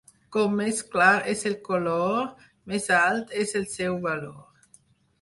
Com més clar és el color, més alt és el seu valor.